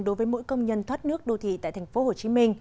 đối với mỗi công nhân thoát nước đô thị tại tp hcm